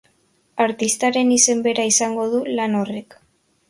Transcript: Artistaren izen bera izango du lan horrek.